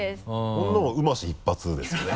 そんなもの「うまし」一発ですよね。